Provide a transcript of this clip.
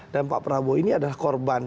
dan pak prabowo ini adalah korban